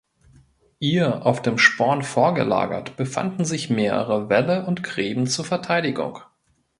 Ihr auf dem Sporn vorgelagert befanden sich mehrere Wälle und Gräben zur Verteidigung.